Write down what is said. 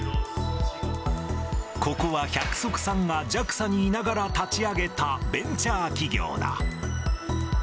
ここは百束さんがＪＡＸＡにいながら立ち上げたベンチャー企業だ。